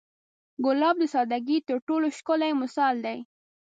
ګلاب د سادګۍ تر ټولو ښکلی مثال دی.